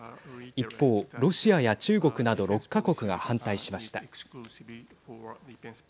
一方ロシアや中国など６か国が反対しました。